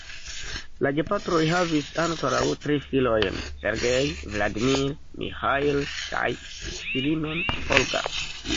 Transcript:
La gepatroj havis ankoraŭ tri filojn: "Sergej", "Vladimir", "Miĥail" kaj filinon "Olga".